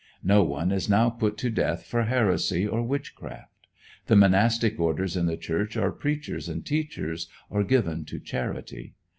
No one is now put to death for heresy or witchcraft. The monastic orders in the Church are preachers and teachers, or given to charity.